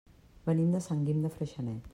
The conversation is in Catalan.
Venim de Sant Guim de Freixenet.